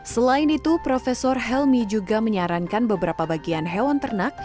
selain itu prof helmi juga menyarankan beberapa bagian hewan ternak